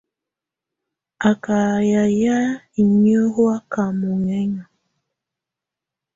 Á kà yayɛ̀á inyǝ́ hɔ̀áka mɔ̀nɛna.